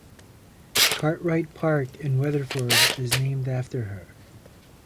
Cartwright Park in Weatherford is named after her.